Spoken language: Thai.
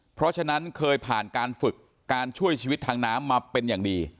เพราะฉะนั้นเคยผ่านการฝึกการช่วยชีวิตทางน้ำมาเป็นอย่างดี